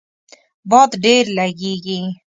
باد ډیر لږیږي